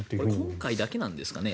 今回だけなんですかね。